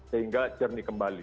sehingga jernih kembali